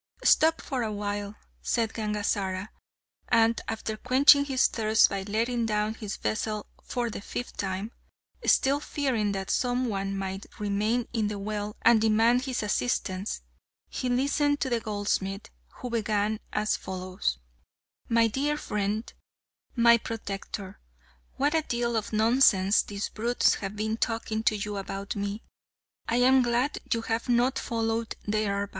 "Stop for a while," said Gangazara, and after quenching his thirst by letting down his vessel for the fifth time, still fearing that some one might remain in the well and demand his assistance, he listened to the goldsmith, who began as follows: "My dear friend, my protector, what a deal of nonsense these brutes have been talking to you about me; I am glad you have not followed their advice.